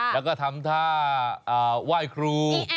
แล้วก็ทำท่าไหว้ครู